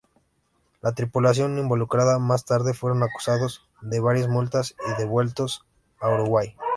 La tripulación involucrada más tarde fueron acusados de varias multas y devueltos a Uruguay.